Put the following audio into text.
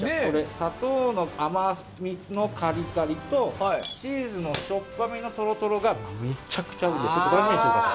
砂糖の甘みのカリカリとチーズのしょっぱみのとろとろがめっちゃくちゃ合うんです。